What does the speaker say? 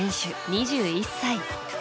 ２１歳。